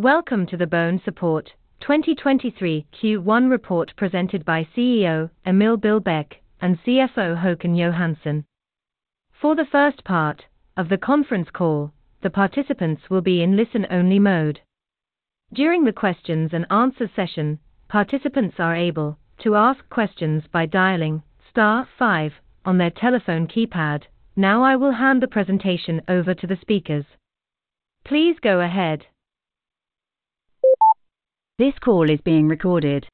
Welcome to the BONESUPPORT 2023 Q1 report presented by CEO Emil Billbäck and CFO Håkan Johansson. For the first part of the conference call, the participants will be in listen-only mode. During the questions and answer session, participants are able to ask questions by dialing star five on their telephone keypad. I will hand the presentation over to the speakers. Please go ahead. This call is being recorded.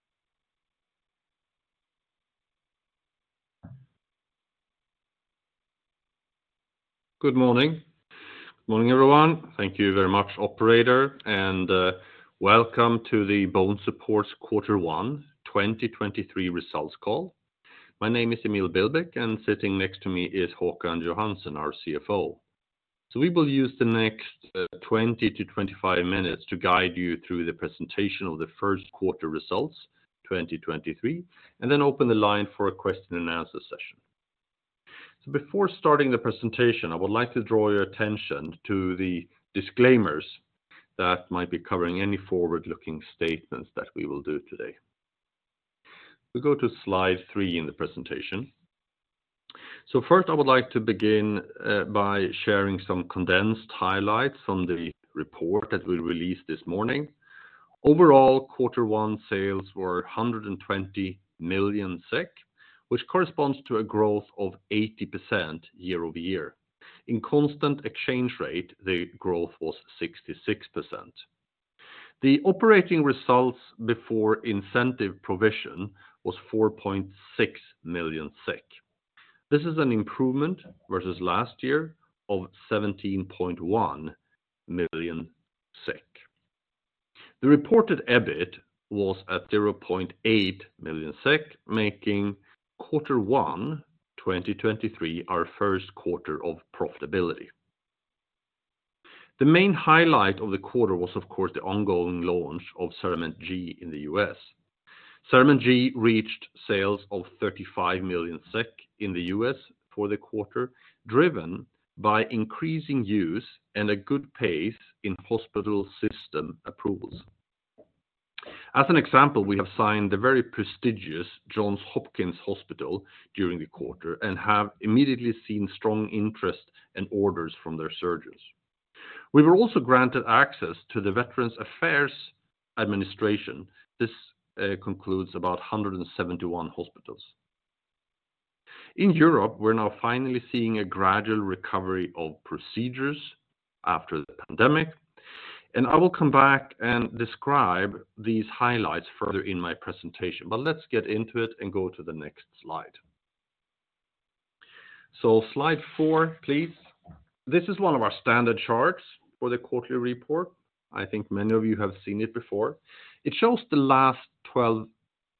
Good morning. Good morning, everyone. Thank you very much, operator, and welcome to the BONESUPPORT quarter one 2023 results call. My name is Emil Billbäck, and sitting next to me is Håkan Johansson, our CFO. We will use the next 20-25 minutes to guide you through the presentation of the first quarter results 2023, and then open the line for a question and answer session. Before starting the presentation, I would like to draw your attention to the disclaimers that might be covering any forward-looking statements that we will do today. We go to slide three in the presentation. First, I would like to begin by sharing some condensed highlights from the report that we released this morning. Overall, quarter one sales were 120 million SEK, which corresponds to a growth of 80% year-over-year. In constant exchange rate, the growth was 66%. The operating results before incentive provision was 4.6 million SEK. This is an improvement versus last year of 17.1 million SEK. The reported EBIT was at 0.8 million SEK, making quarter one 2023 our first quarter of profitability. The main highlight of the quarter was, of course, the ongoing launch of CERAMENT G in the U.S. CERAMENT G reached sales of 35 million SEK in the U.S. for the quarter, driven by increasing use and a good pace in hospital system approvals. As an example, we have signed the very prestigious Johns Hopkins Hospital during the quarter and have immediately seen strong interest and orders from their surgeons. We were also granted access to the Veterans Affairs Administration. This concludes about 171 hospitals. In Europe, we're now finally seeing a gradual recovery of procedures after the pandemic, and I will come back and describe these highlights further in my presentation. Let's get into it and go to the next slide. Slide four, please. This is one of our standard charts for the quarterly report. I think many of you have seen it before. It shows the last 12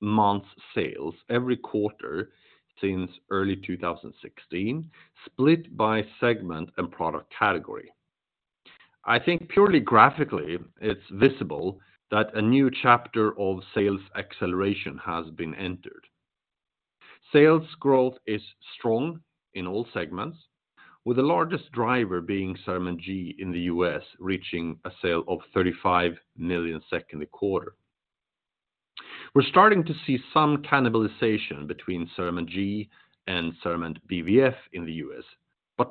months sales every quarter since early 2016, split by segment and product category. I think purely graphically it's visible that a new chapter of sales acceleration has been entered. Sales growth is strong in all segments, with the largest driver being CERAMENT G in the U.S. reaching a sale of 35 million in the quarter. We're starting to see some cannibalization between CERAMENT G and CERAMENT BVF in the U.S.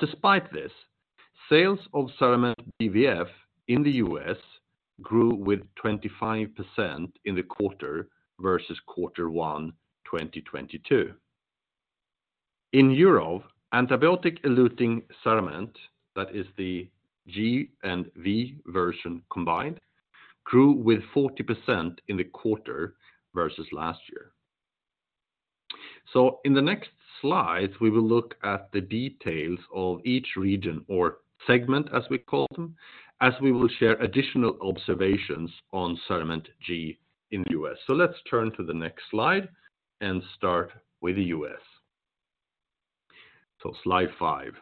Despite this, sales of CERAMENT BVF in the U.S. grew with 25% in the quarter versus quarter one 2022. In Europe, antibiotic-eluting CERAMENT, that is the G and V version combined, grew with 40% in the quarter versus last year. In the next slide, we will look at the details of each region or segment, as we call them, as we will share additional observations on CERAMENT G in the U.S. Let's turn to the next slide and start with the US. Slide five.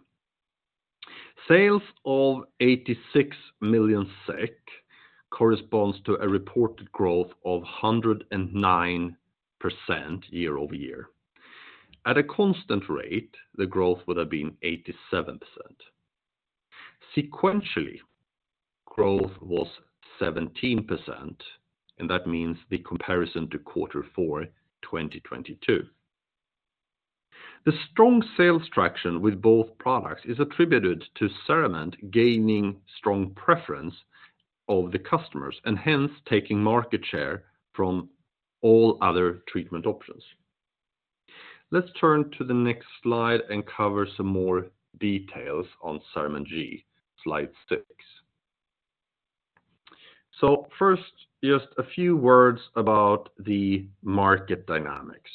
Sales of 86 million SEK corresponds to a reported growth of 109% year-over-year. At a constant rate, the growth would have been 87%. Sequentially, growth was 17%, and that means the comparison to quarter four 2022. The strong sales traction with both products is attributed to CERAMENT gaining strong preference of the customers and hence taking market share from all other treatment options. Let's turn to the next slide and cover some more details on CERAMENT G. Slide six. First, just a few words about the market dynamics.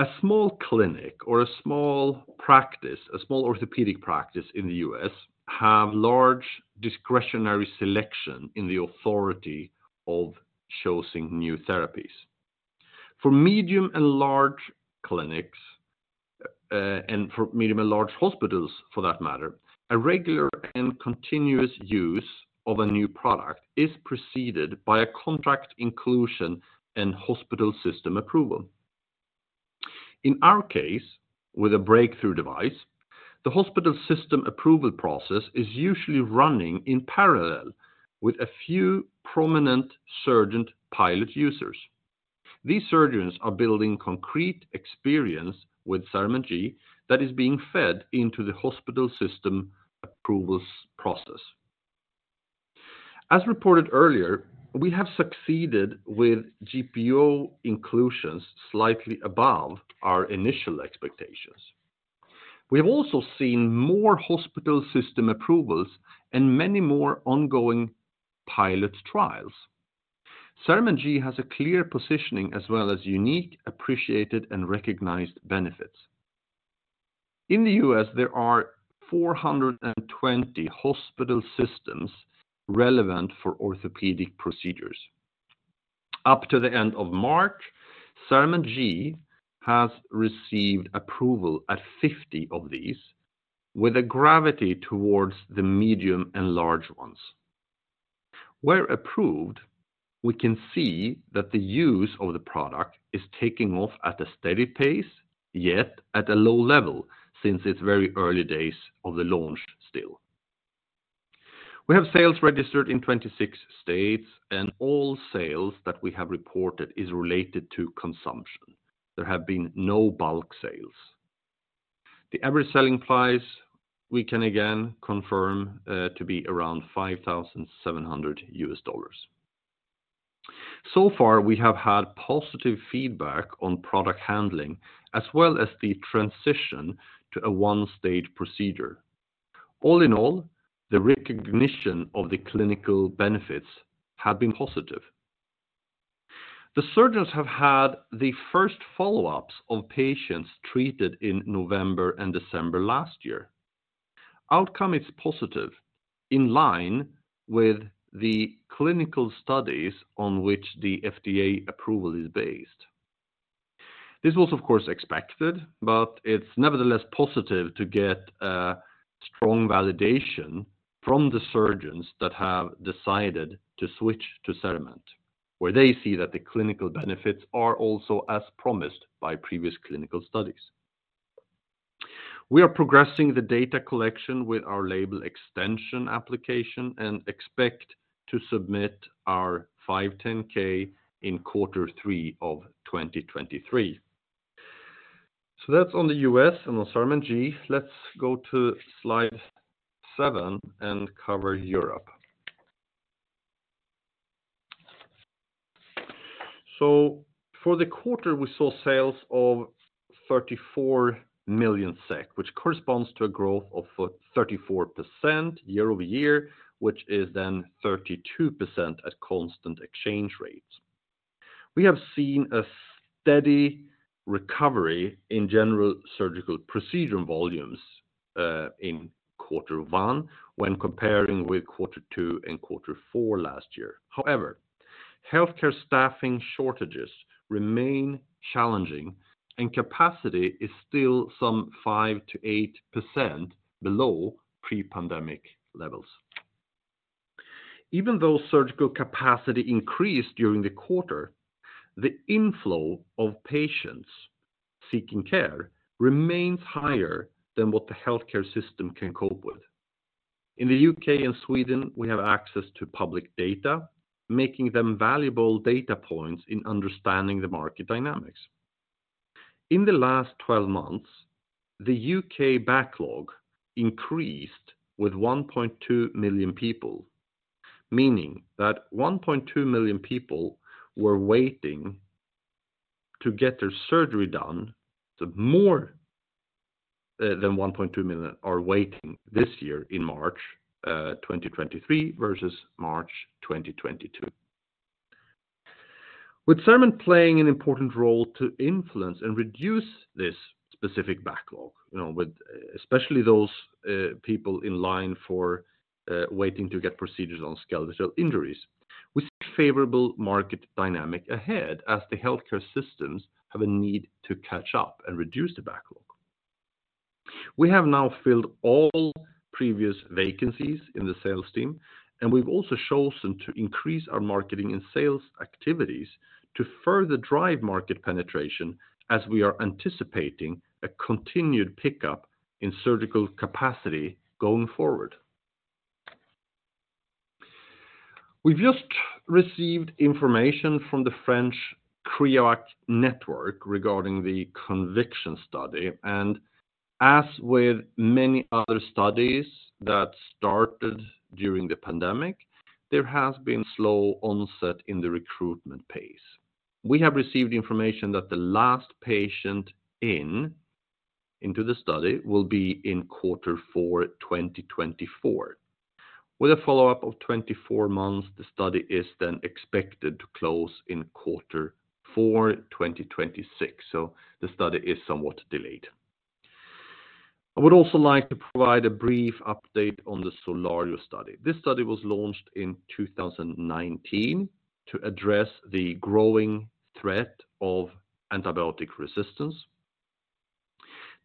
A small clinic or a small practice, a small orthopedic practice in the U.S. have large discretionary selection in the authority of choosing new therapies. For medium and large clinics, and for medium and large hospitals for that matter, a regular and continuous use of a new product is preceded by a contract inclusion and hospital system approval. In our case, with a breakthrough device, the hospital system approval process is usually running in parallel with a few prominent surgeon pilot users. These surgeons are building concrete experience with CERAMENT G that is being fed into the hospital system approvals process. As reported earlier, we have succeeded with GPO inclusions slightly above our initial expectations. We have also seen more hospital system approvals and many more ongoing pilot trials. CERAMENT G has a clear positioning as well as unique, appreciated, and recognized benefits. In the U.S., there are 420 hospital systems relevant for orthopedic procedures. Up to the end of March, CERAMENT G has received approval at 50 of these with a gravity towards the medium and large ones. Where approved, we can see that the use of the product is taking off at a steady pace, yet at a low level since it's very early days of the launch still. We have sales registered in 26 states. All sales that we have reported is related to consumption. There have been no bulk sales. The average selling price we can again confirm to be around $5,700. We have had positive feedback on product handling as well as the transition to a one-stage procedure. All in all, the recognition of the clinical benefits have been positive. The surgeons have had the first follow-ups of patients treated in November and December last year. Outcome is positive in line with the clinical studies on which the FDA approval is based. This was of course expected, it's nevertheless positive to get a strong validation from the surgeons that have decided to switch to CERAMENT, where they see that the clinical benefits are also as promised by previous clinical studies. We are progressing the data collection with our label extension application and expect to submit our 510(k) in quarter three of 2023. That's on the U.S. and on CERAMENT G. Let's go to slide seven and cover Europe. For the quarter, we saw sales of 34 million SEK, which corresponds to a growth of 34% year-over-year, which is then 32% at constant exchange rates. We have seen a steady recovery in general surgical procedure volumes in quarter one when comparing with quarter two and quarter four last year. However, healthcare staffing shortages remain challenging, and capacity is still some 5%-8% below pre-pandemic levels. Even though surgical capacity increased during the quarter, the inflow of patients seeking care remains higher than what the healthcare system can cope with. In the U.K. and Sweden, we have access to public data, making them valuable data points in understanding the market dynamics. In the last 12 months, the U.K. backlog increased with 1.2 million people, meaning that 1.2 million people were waiting to get their surgery done, so more than 1.2 million are waiting this year in March 2023 versus March 2022. With CERAMENT playing an important role to influence and reduce this specific backlog, you know, with especially those people in line for waiting to get procedures on skeletal injuries, we see favorable market dynamic ahead as the healthcare systems have a need to catch up and reduce the backlog. We have now filled all previous vacancies in the sales team, and we've also chosen to increase our marketing and sales activities to further drive market penetration as we are anticipating a continued pickup in surgical capacity going forward. We've just received information from the French CRIOAc network regarding the conviction study, and as with many other studies that started during the pandemic, there has been slow onset in the recruitment pace. We have received information that the last patient into the study will be in Q4 2024. With a follow-up of 24 months, the study is then expected to close in Q4 2026. The study is somewhat delayed. I would also like to provide a brief update on the SOLARIO study. This study was launched in 2019 to address the growing threat of antibiotic resistance.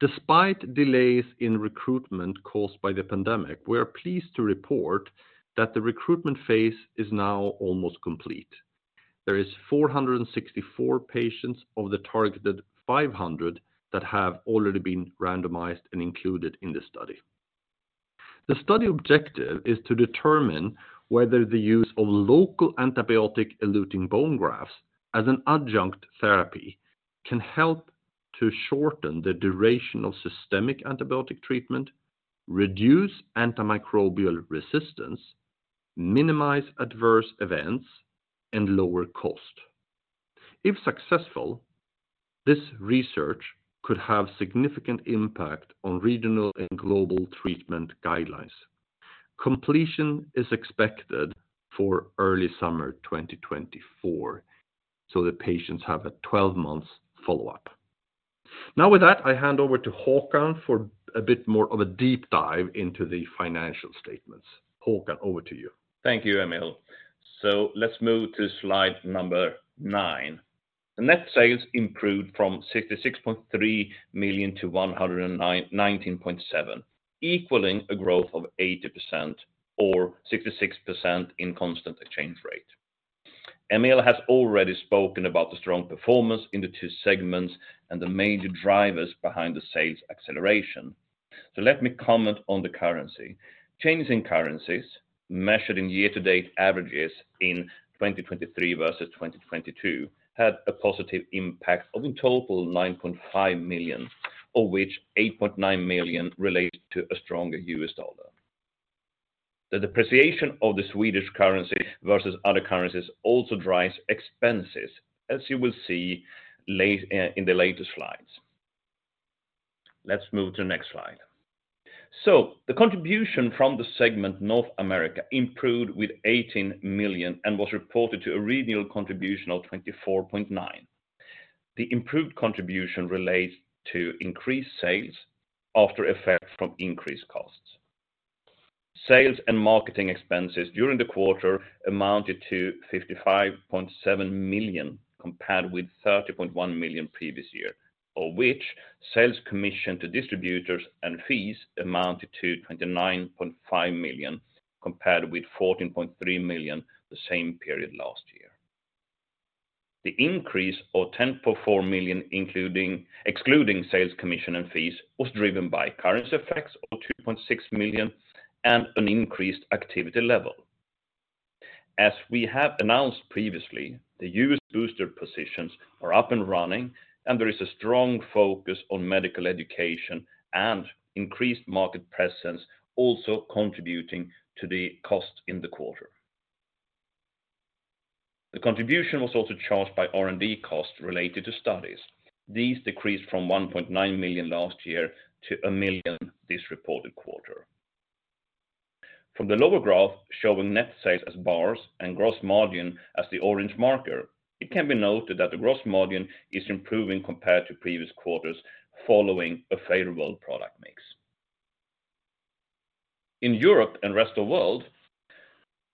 Despite delays in recruitment caused by the pandemic, we are pleased to report that the recruitment phase is now almost complete. There is 464 patients of the targeted 500 that have already been randomized and included in the study. The study objective is to determine whether the use of local antibiotic eluting bone grafts as an adjunct therapy can help to shorten the duration of systemic antibiotic treatment, reduce antimicrobial resistance, minimize adverse events, and lower cost. If successful, this research could have significant impact on regional and global treatment guidelines. Completion is expected for early summer 2024, so the patients have a 12 months follow-up. Now, with that, I hand over to Håkan for a bit more of a deep dive into the financial statements. Håkan, over to you. Thank you, Emil. Let's move to slide number nine. The net sales improved from 66.3 million to 119.7 million, equaling a growth of 80% or 66% in constant exchange rate. Emil has already spoken about the strong performance in the two segments and the major drivers behind the sales acceleration. Let me comment on the currency. Changes in currencies measured in year-to-date averages in 2023 versus 2022 had a positive impact of a total 9.5 million, of which 8.9 million relates to a stronger US dollar. The depreciation of the Swedish currency versus other currencies also drives expenses, as you will see in the latest slides. Let's move to the next slide. The contribution from the segment North America improved with 18 million and was reported to a regional contribution of 24.9 million. The improved contribution relates to increased sales after effect from increased costs. Sales and marketing expenses during the quarter amounted to 55.7 million, compared with 30.1 million previous year, of which sales commission to distributors and fees amounted to 29.5 million, compared with 14.3 million the same period last year. The increase of 10.4 million excluding sales commission and fees was driven by currency effects of 2.6 million and an increased activity level. We have announced previously, the US booster positions are up and running, and there is a strong focus on medical education and increased market presence, also contributing to the cost in the quarter. The contribution was also charged by R&D costs related to studies. These decreased from 1.9 million last year to 1 million this reported quarter. From the lower graph showing net sales as bars and gross margin as the orange marker, it can be noted that the gross margin is improving compared to previous quarters following a favorable product mix. In Europe and Rest of World,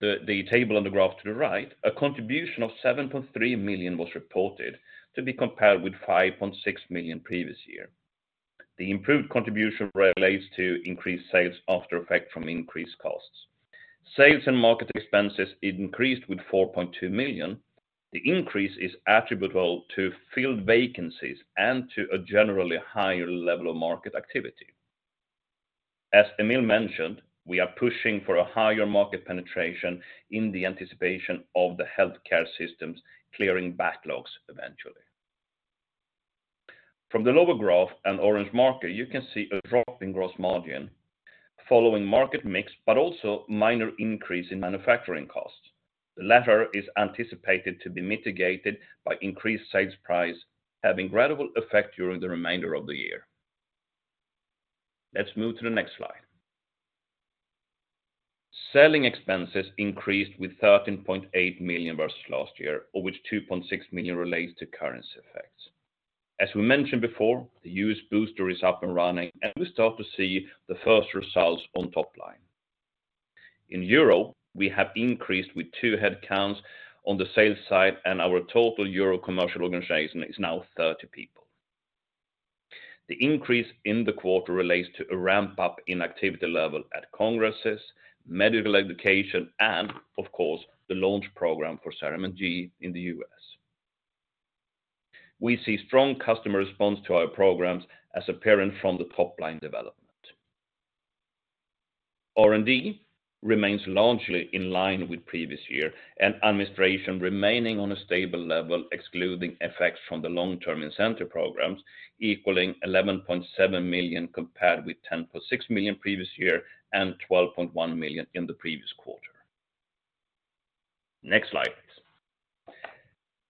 the table on the graph to the right, a contribution of 7.3 million was reported, to be compared with 5.6 million previous year. The improved contribution relates to increased sales after effect from increased costs. Sales and market expenses increased with 4.2 million. The increase is attributable to field vacancies and to a generally higher level of market activity. As Emil mentioned, we are pushing for a higher market penetration in the anticipation of the healthcare systems clearing backlogs eventually. From the lower graph and orange marker, you can see a drop in gross margin following market mix, but also minor increase in manufacturing costs. The latter is anticipated to be mitigated by increased sales price, having gradual effect during the remainder of the year. Let's move to the next slide. Selling expenses increased with 13.8 million versus last year, of which 2.6 million relates to currency effects. As we mentioned before, the U.S. booster is up and running, and we start to see the first results on top line. In Euro, we have increased with two headcounts on the sales side, and our total Euro commercial organization is now 30 people. The increase in the quarter relates to a ramp up in activity level at congresses, medical education and of course, the launch program for CERAMENT G in the U.S. We see strong customer response to our programs as apparent from the top line development. R&D remains largely in line with previous year and administration remaining on a stable level, excluding effects from the long-term incentive programs, equaling 11.7 million compared with 10.6 million previous year and 12.1 million in the previous quarter. Next slide, please.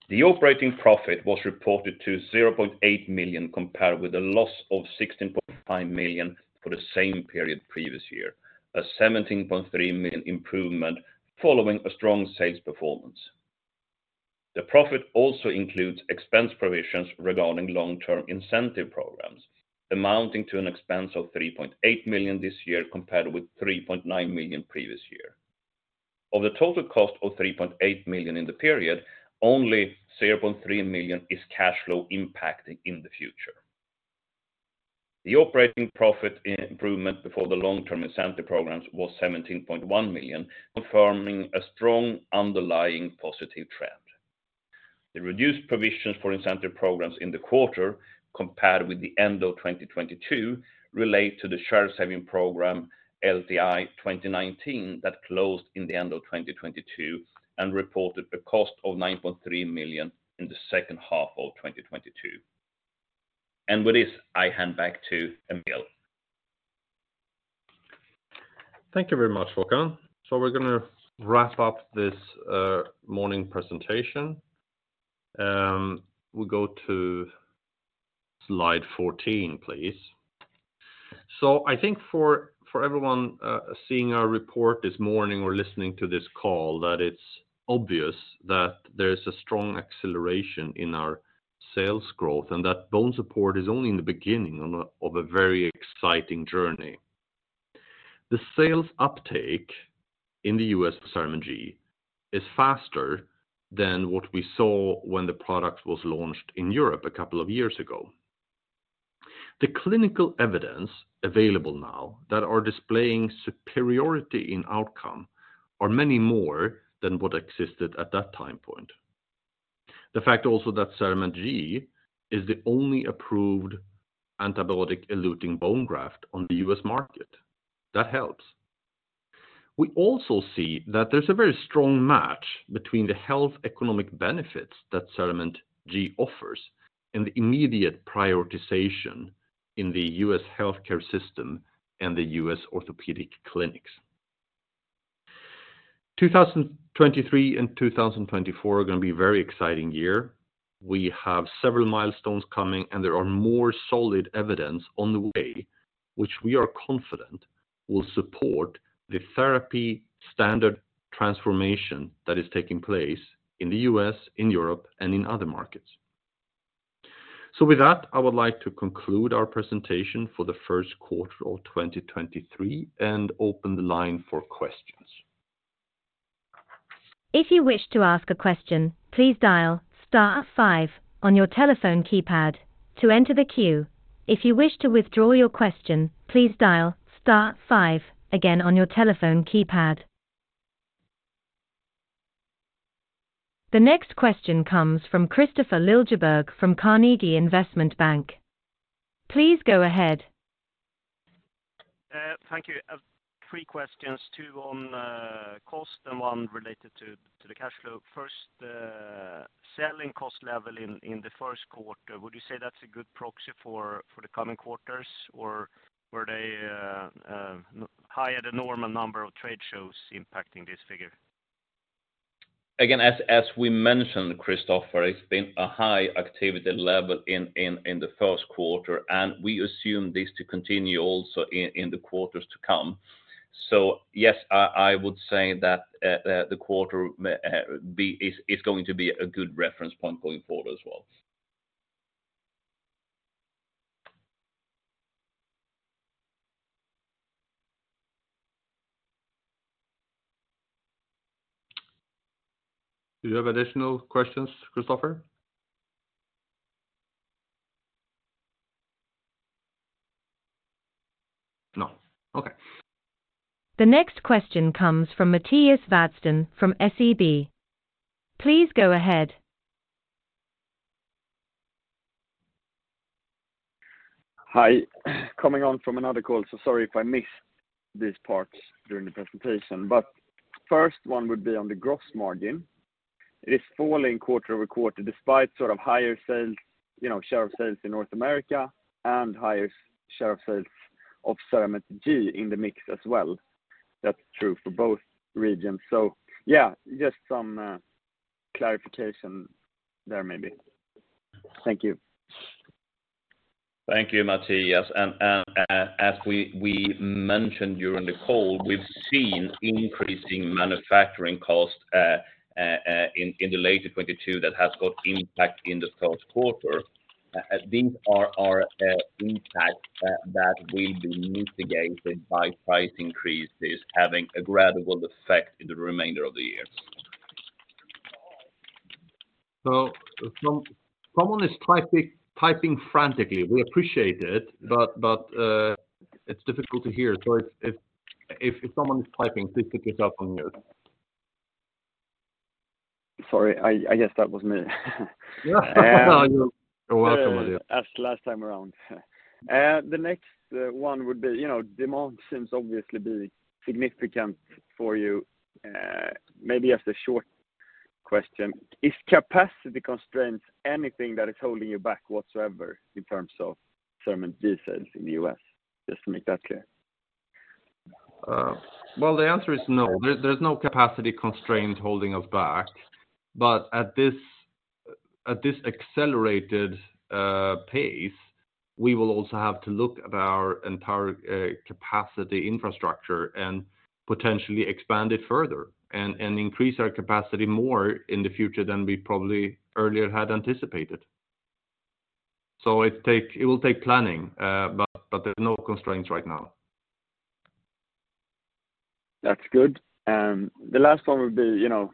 The operating profit was reported to 0.8 million compared with a loss of 16.5 million for the same period previous year, a 17.3 million improvement following a strong sales performance. The profit also includes expense provisions regarding long-term incentive programs, amounting to an expense of 3.8 million this year compared with 3.9 million previous year. Of the total cost of 3.8 million in the period, only 0.3 million is cash flow impacting in the future. The operating profit improvement before the long-term incentive programs was 17.1 million, confirming a strong underlying positive trend. The reduced provisions for incentive programs in the quarter compared with the end of 2022 relate to the share saving program LTI 2019 that closed in the end of 2022 and reported a cost of 9.3 million in the second half of 2022. With this, I hand back to Emil. Thank you very much, Håkan. We're gonna wrap up this morning presentation. We go to slide 14, please. I think for everyone seeing our report this morning or listening to this call, that it's obvious that there is a strong acceleration in our sales growth, and that BONESUPPORT is only in the beginning of a very exciting journey. The sales uptake in the U.S. for CERAMENT G is faster than what we saw when the product was launched in Europe a couple of years ago. The clinical evidence available now that are displaying superiority in outcome are many more than what existed at that time point. The fact also that CERAMENT G is the only approved antibiotic-eluting bone graft on the U.S. market, that helps. We also see that there's a very strong match between the health economic benefits that Cerament G offers and the immediate prioritization in the U.S. healthcare system and the U.S. orthopedic clinics. 2023 and 2024 are gonna be very exciting year. We have several milestones coming, and there are more solid evidence on the way which we are confident will support the therapy standard transformation that is taking place in the U.S., in Europe, and in other markets. With that, I would like to conclude our presentation for the first quarter of 2023 and open the line for questions. If you wish to ask a question, please dial star five on your telephone keypad to enter the queue. If you wish to withdraw your question, please dial star five again on your telephone keypad. The next question comes from Kristofer Liljeberg from Carnegie Investment Bank. Please go ahead. Thank you. I have three questions. Two on cost and one related to the cash flow. First, the selling cost level in the first quarter, would you say that's a good proxy for the coming quarters or were they higher than normal number of trade shows impacting this figure? As we mentioned, Kristofer, it's been a high activity level in the first quarter. We assume this to continue also in the quarters to come. Yes, I would say that the quarter is going to be a good reference point going forward as well. Do you have additional questions, Kristofer? No. Okay. The next question comes from Mattias Vadsten from SEB. Please go ahead. Hi. Coming on from another call, sorry if I missed these parts during the presentation. First one would be on the gross margin. It is falling quarter-over-quarter despite sort of higher sales, you know, share of sales in North America and higher share of sales of CERAMENT G in the mix as well. That's true for both regions. Yeah, just some clarification there, maybe. Thank you. Thank you, Mattias. As we mentioned during the call, we've seen increasing manufacturing costs in the later 2022 that has got impact in this first quarter. These are our impact that we've been mitigating by price increases having a gradual effect in the remainder of the year. Someone is typing frantically. We appreciate it, but it's difficult to hear. If someone is typing, please pick yourself on mute. Sorry, I guess that was me. You're welcome. As last time around. The next one would be, you know, demand seems obviously be significant for you. Maybe as a short question, is capacity constraints anything that is holding you back whatsoever in terms of CERAMENT G sales in the U.S.? Just to make that clear. Well, the answer is no. There's no capacity constraint holding us back. At this accelerated pace, we will also have to look at our entire capacity infrastructure and potentially expand it further and increase our capacity more in the future than we probably earlier had anticipated. It will take planning, but there's no constraints right now. That's good. The last one would be, you know,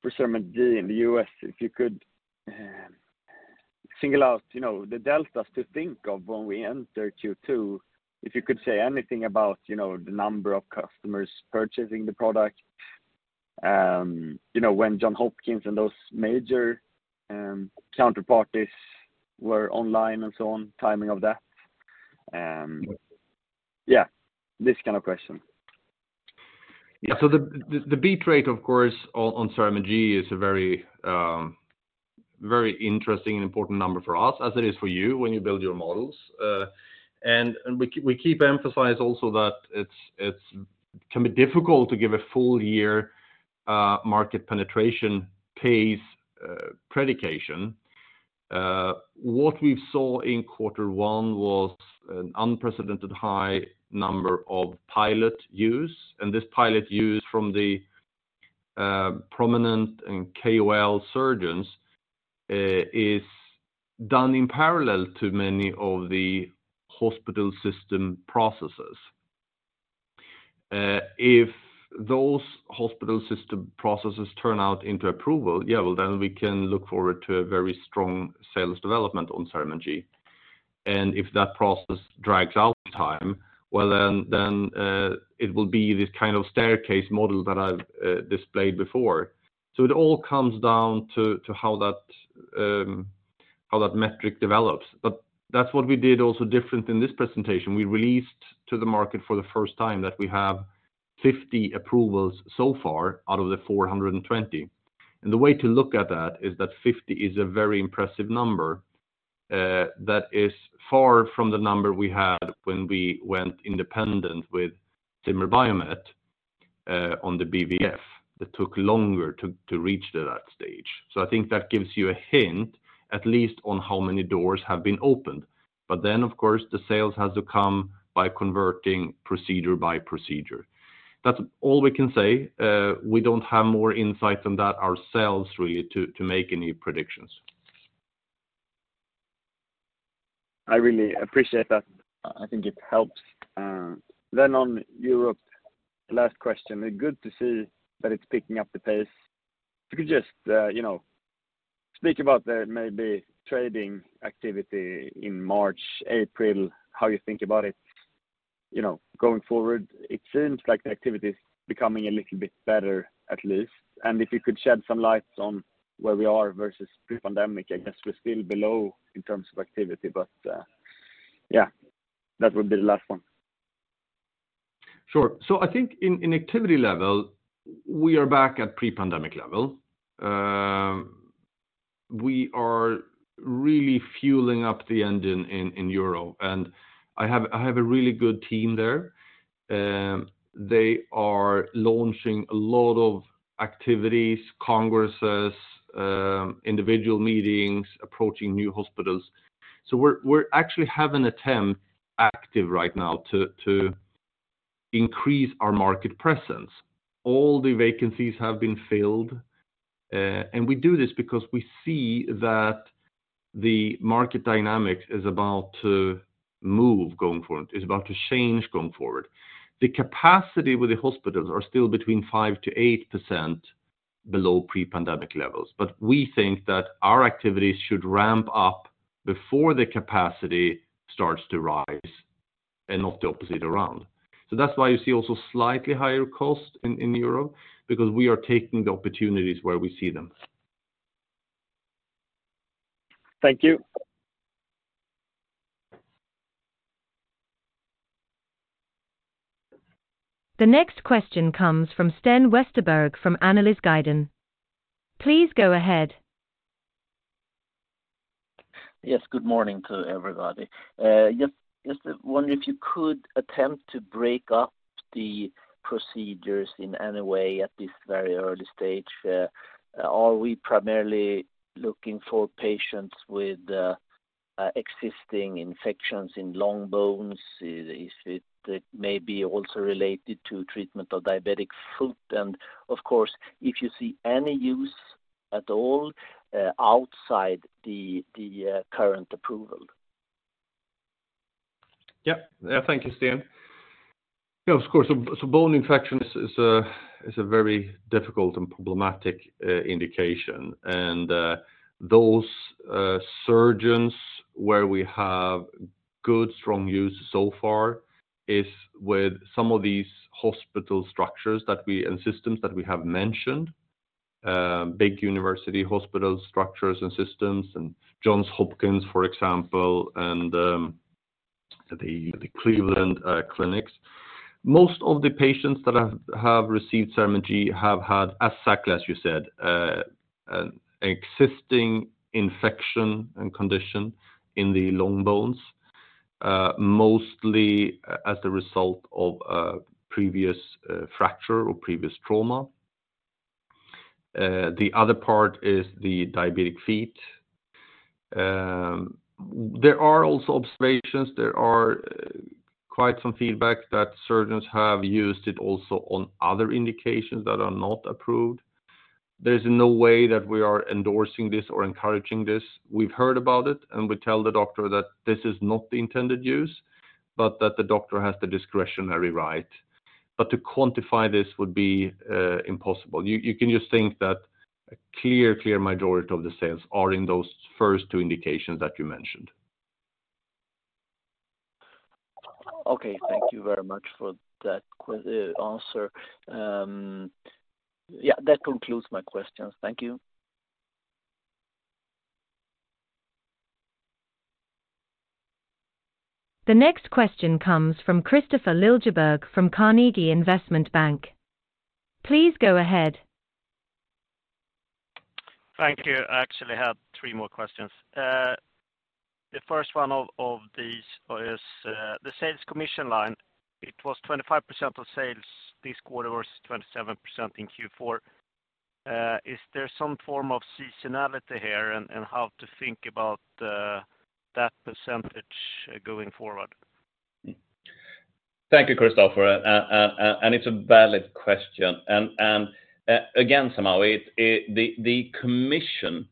for CERAMENT G in the U.S., if you could, single out, you know, the deltas to think of when we enter Q2. If you could say anything about, you know, the number of customers purchasing the product, you know, when Johns Hopkins and those major, counterparties were online and so on, timing of that. Yeah, this kind of question. The beat rate of course on CERAMENT G is a very interesting and important number for us, as it is for you when you build your models. We keep emphasize also that it's can be difficult to give a full year market penetration pace predication. What we saw in quarter one was an unprecedented high number of pilot use. This pilot use from the prominent and KOL surgeons is done in parallel to many of the hospital system processes. If those hospital system processes turn out into approval, yeah, well, then we can look forward to a very strong sales development on CERAMENT G. If that process drags out time, well then it will be this kind of staircase model that I've displayed before. It all comes down to how that metric develops. That's what we did also different in this presentation. We released to the market for the first time that we have 50 approvals so far out of the 420. The way to look at that is that 50 is a very impressive number, that is far from the number we had when we went independent with Zimmer Biomet on the BVF. That took longer to reach to that stage. I think that gives you a hint, at least on how many doors have been opened. Of course, the sales has to come by converting procedure by procedure. That's all we can say. We don't have more insight on that ourselves really to make any predictions. I really appreciate that. I think it helps. On Europe, last question. Good to see that it's picking up the pace. If you could just, you know, speak about the maybe trading activity in March, April, how you think about it, you know, going forward? It seems like the activity is becoming a little bit better at least. If you could shed some light on where we are versus pre-pandemic? I guess we're still below in terms of activity. Yeah, that would be the last one. Sure. I think in activity level, we are back at pre-pandemic level. We are really fueling up the engine in Europe. I have a really good team there. They are launching a lot of activities, congresses, individual meetings, approaching new hospitals. We're actually have an attempt active right now to increase our market presence. All the vacancies have been filled. We do this because we see that the market dynamics is about to move going forward, is about to change going forward. The capacity with the hospitals are still between 5%-8% below pre-pandemic levels. We think that our activities should ramp up before the capacity starts to rise, and not the opposite around. That's why you see also slightly higher cost in Europe because we are taking the opportunities where we see them. Thank you. The next question comes from Sten Westerberg from Analysguiden. Please go ahead. Yes, good morning to everybody. Just wonder if you could attempt to break up the procedures in any way at this very early stage? Are we primarily looking for patients with existing infections in long bones? Is it maybe also related to treatment of diabetic foot? Of course, if you see any use at all outside the current approval? Yeah. Yeah, thank you, Sten. Yeah, of course. Bone infection is a very difficult and problematic indication. Those surgeons where we have good strong use so far is with some of these hospital structures and systems that we have mentioned. Big university hospital structures and systems, and Johns Hopkins, for example, and the Cleveland Clinic. Most of the patients that have received CERAMENT G have had as such, as you said, existing infection and condition in the long bones, mostly as a result of a previous fracture or previous trauma. The other part is the diabetic feet. There are also observations. There are quite some feedback that surgeons have used it also on other indications that are not approved. There's no way that we are endorsing this or encouraging this. We've heard about it, we tell the doctor that this is not the intended use, but that the doctor has the discretionary right. To quantify this would be impossible. You can just think that a clear majority of the sales are in those first two indications that you mentioned. Okay. Thank you very much for that answer. Yeah, that concludes my questions. Thank you. The next question comes from Kristofer Liljeberg from Carnegie Investment Bank. Please go ahead. Thank you. I actually have three more questions. The first one of these is the sales commission line. It was 25% of sales this quarter versus 27% in Q4. Is there some form of seasonality here and how to think about that percentage going forward? Thank you, Kristofer. It's a valid question. Again, somehow the commission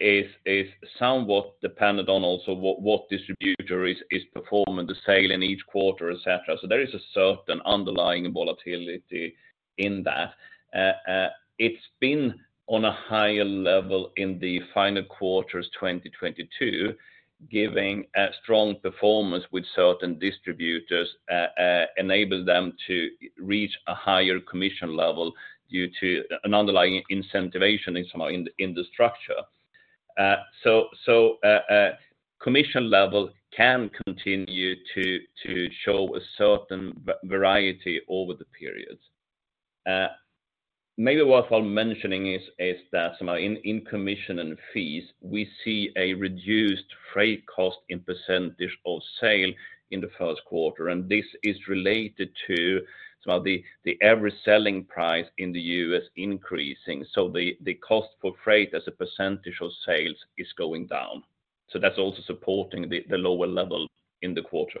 is somewhat dependent on what distributor is performing the sale in each quarter, et cetera. There is a certain underlying volatility in that. It's been on a higher level in the final quarters 2022, giving a strong performance with certain distributors enables them to reach a higher commission level due to an underlying incentivation in the structure. Commission level can continue to show a certain variety over the periods. Maybe what I'm mentioning is that somehow in commission and fees, we see a reduced freight cost in % of sale in the first quarter, this is related to some of the every selling price in the U.S. increasing. The cost for freight as a percent of sales is going down. That's also supporting the lower level in the quarter.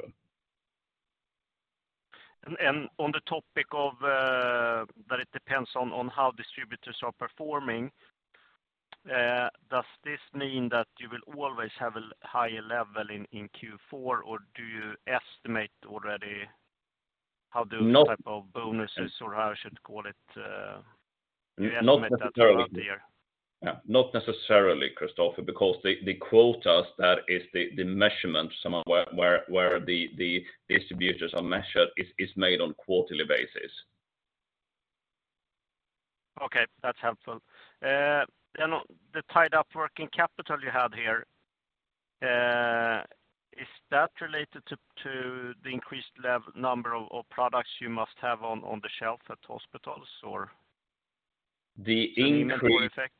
On the topic of, that it depends on how distributors are performing, does this mean that you will always have a higher level in Q4, or do you estimate already how those type of bonuses or how I should call it, do you estimate that throughout the year? Not necessarily, Kristofer, because the quotas, that is the measurement somehow where the distributors are measured is made on quarterly basis. Okay, that's helpful. The tied up working capital you had here, is that related to the increased number of products you must have on the shelf at hospitals or any network effect?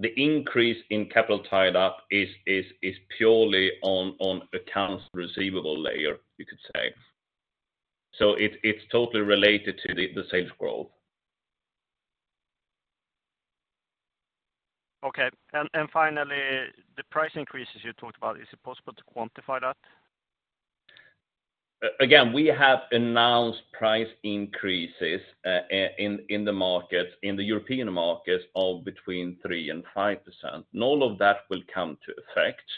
The increase in capital tied up is purely on accounts receivable layer, you could say. It's totally related to the sales growth. Okay. Finally, the price increases you talked about, is it possible to quantify that? Again, we have announced price increases in the European markets of between 3% and 5%. None of that will come to effect.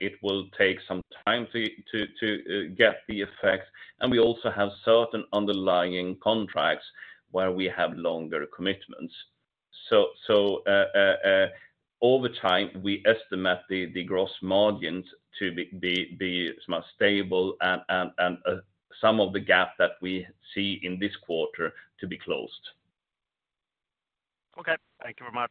It will take some time to get the effect. We also have certain underlying contracts where we have longer commitments. So, over time, we estimate the gross margins to be stable and some of the gap that we see in this quarter to be closed. Okay. Thank you very much.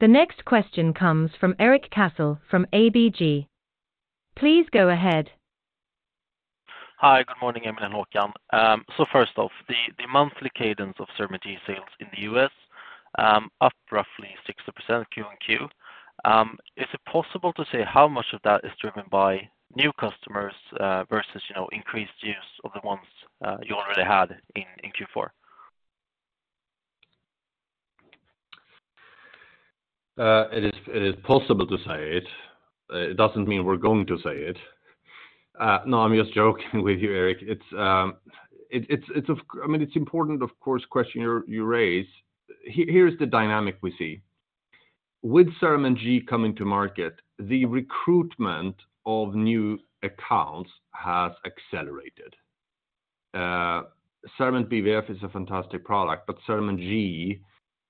The next question comes from Erik Cassel from ABG. Please go ahead. Hi. Good morning, Emil and Håkan. First off, the monthly cadence of CERAMENT G sales in the U.S., up roughly 60% Q and Q. Is it possible to say how much of that is driven by new customers, versus, you know, increased use of the ones you already had in Q4? It is possible to say it. It doesn't mean we're going to say it. No, I'm just joking with you, Erik. It's important, of course, question you raise. Here is the dynamic we see. With CERAMENT G coming to market, the recruitment of new accounts has accelerated. CERAMENT BVF is a fantastic product, but CERAMENT G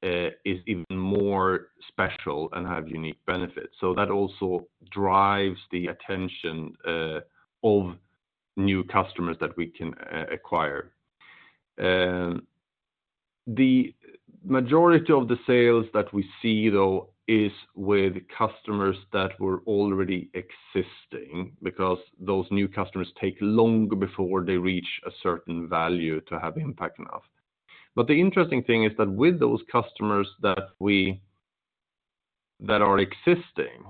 is even more special and have unique benefits. That also drives the attention of new customers that we can acquire. The majority of the sales that we see, though, is with customers that were already existing because those new customers take longer before they reach a certain value to have impact enough. The interesting thing is that with those customers that are existing,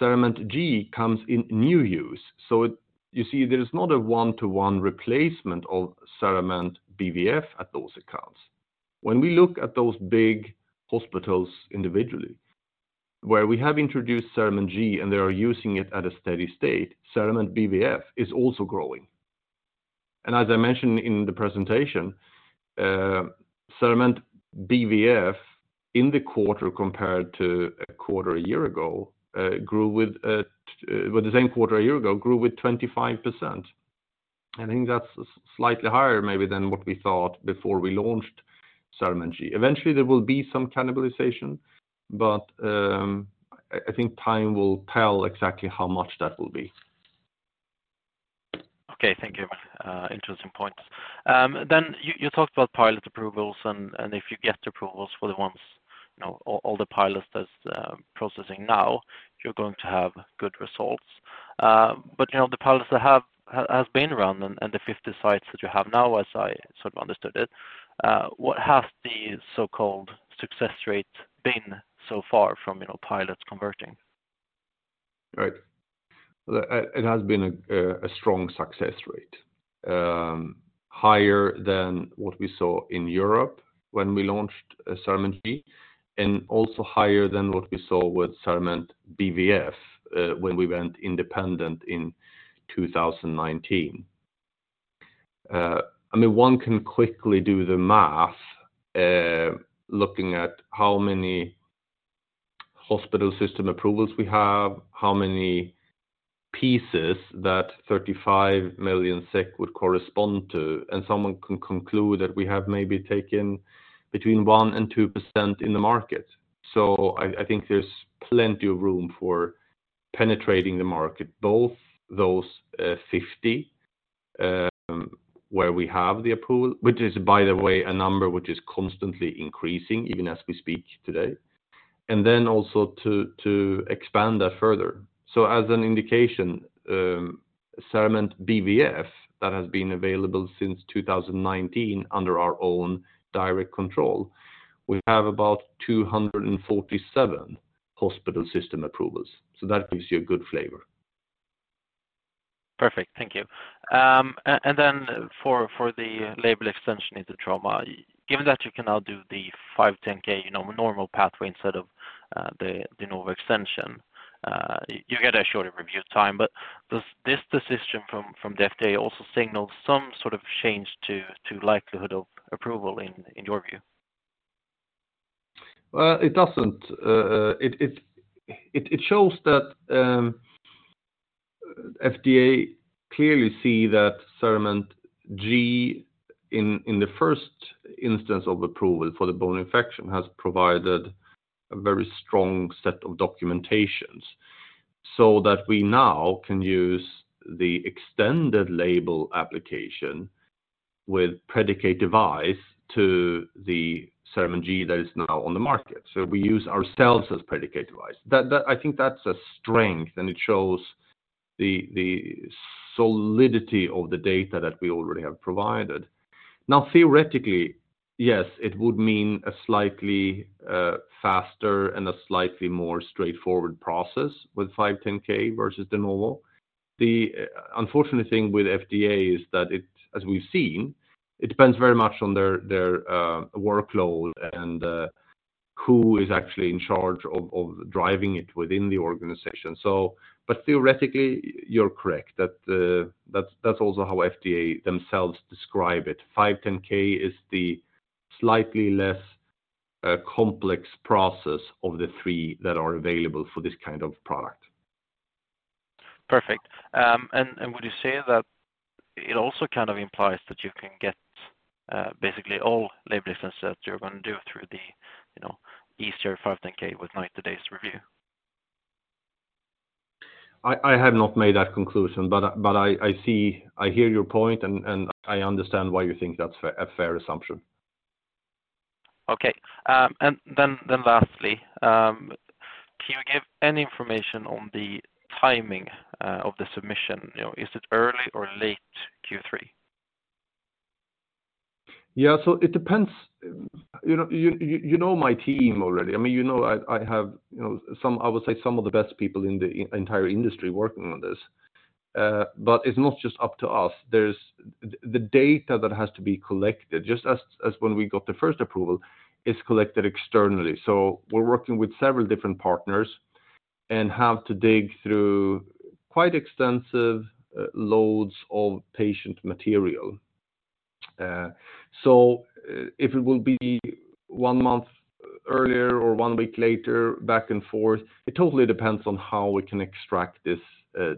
CERAMENT G comes in new use. You see, there is not a one-to-one replacement of CERAMENT BVF at those accounts. When we look at those big hospitals individually. Where we have introduced CERAMENT G and they are using it at a steady state, CERAMENT BVF is also growing. As I mentioned in the presentation, CERAMENT BVF in the quarter compared to a quarter a year ago, grew with the same quarter a year ago, grew with 25%. I think that's slightly higher maybe than what we thought before we launched CERAMENT G. Eventually, there will be some cannibalization, but I think time will tell exactly how much that will be. Okay. Thank you. Interesting points. You, you talked about pilot approvals and if you get approvals for the ones, you know, all the pilots that's processing now, you're going to have good results. You know, the pilots that have been around and the 50 sites that you have now, as I sort of understood it, what has the so-called success rate been so far from, you know, pilots converting? Right. It has been a strong success rate, higher than what we saw in Europe when we launched CERAMENT G, and also higher than what we saw with CERAMENT BVF when we went independent in 2019. I mean, one can quickly do the math, looking at how many hospital system approvals we have, how many pieces that 35 million SEK would correspond to, and someone can conclude that we have maybe taken between 1% and 2% in the market. I think there's plenty of room for penetrating the market, both those 50 where we have the approval, which is, by the way, a number which is constantly increasing even as we speak today, and then also to expand that further. As an indication, CERAMENT BVF, that has been available since 2019 under our own direct control. We have about 247 hospital system approvals. That gives you a good flavor. Perfect. Thank you. And then for the label extension into trauma, given that you can now do the 510(k), you know, normal pathway instead of the normal extension, you get a shorter review time. Does this decision from the FDA also signal some sort of change to likelihood of approval in your view? Well, it doesn't. It shows that FDA clearly see that CERAMENT G in the first instance of approval for the bone infection has provided a very strong set of documentations so that we now can use the extended label application with predicate device to the CERAMENT G that is now on the market. We use ourselves as predicate device. That, I think that's a strength, and it shows the solidity of the data that we already have provided. Theoretically, yes, it would mean a slightly faster and a slightly more straightforward process with 510(k) versus the normal. The unfortunate thing with FDA is that it, as we've seen, it depends very much on their workload and who is actually in charge of driving it within the organization. Theoretically, you're correct. That, that's also how FDA themselves describe it. 510(k) is the slightly less complex process of the three that are available for this kind of product. Perfect. Would you say that it also kind of implies that you can get, basically all label extensions that you're gonna do through the, you know, easier 510(k) with 90 days review? I have not made that conclusion, but I see, I hear your point and I understand why you think that's fair, a fair assumption. Okay. Then lastly, can you give any information on the timing of the submission? You know, is it early or late Q3? It depends. You know, you know my team already. I mean, you know, I have, you know, some, I would say some of the best people in the entire industry working on this. It's not just up to us. There's the data that has to be collected, just as when we got the first approval, is collected externally. We're working with several different partners and have to dig through quite extensive loads of patient material. If it will be one month earlier or one week later, back and forth, it totally depends on how we can extract this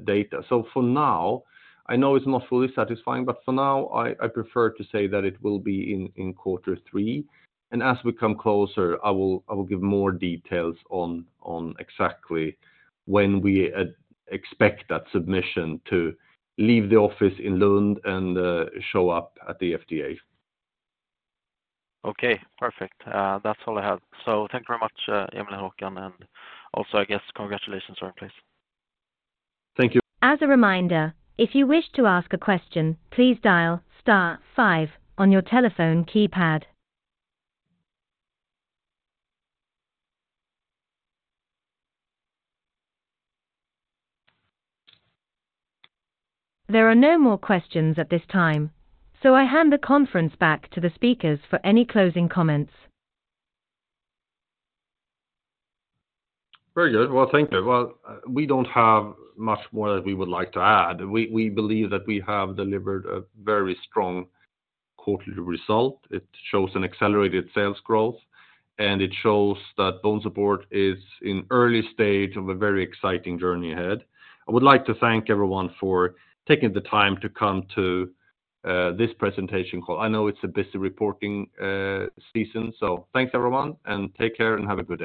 data. For now, I know it's not fully satisfying, but for now, I prefer to say that it will be in quarter three. As we come closer, I will give more details on exactly when we expect that submission to leave the office in Lund and show up at the FDA. Okay, perfect. That's all I have. Thank you very much, Emil and Håkan. Also, I guess, congratulations are in place. Thank you. As a reminder, if you wish to ask a question, please dial star five on your telephone keypad. There are no more questions at this time, I hand the conference back to the speakers for any closing comments. Very good. Well, thank you. Well, we don't have much more that we would like to add. We believe that we have delivered a very strong quarterly result. It shows an accelerated sales growth, it shows that BONESUPPORT is in early stage of a very exciting journey ahead. I would like to thank everyone for taking the time to come to this presentation call. I know it's a busy reporting season. Thanks, everyone, and take care and have a good day.